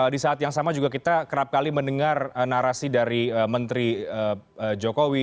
di saat yang sama juga kita kerap kali mendengar narasi dari menteri jokowi